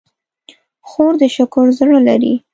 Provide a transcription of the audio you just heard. خور د شکر زړه لري.